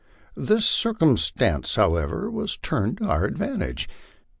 This circumstance, however, was turned to our advantage.